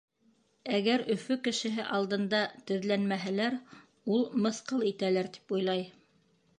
Әгәр Өфө кешеһе алдында теҙләнмәһәләр, ул, мыҫҡыл итәләр, тип уйлай.